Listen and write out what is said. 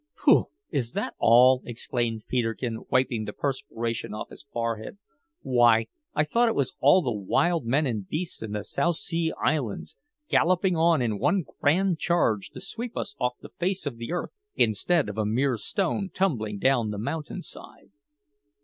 "Pooh! is that all?" exclaimed Peterkin, wiping the perspiration off his forehead. "Why, I thought it was all the wild men and beasts in the South Sea Islands, galloping on in one grand charge to sweep us off the face of the earth, instead of a mere stone tumbling down the mountain side!"